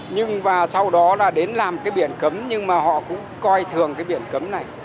nhưng và sau đó là đến làm cái biển cấm nhưng mà họ cũng coi thường cái biển cấm này